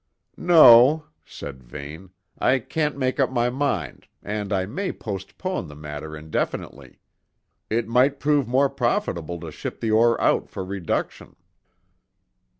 "No," said Vane. "I can't make up my mind, and I may postpone the matter indefinitely. It might prove more profitable to ship the ore out for reduction."